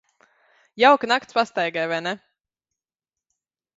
Jauka nakts pastaigai, vai ne?